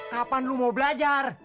kapan lu mau belajar